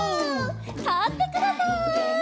たってください。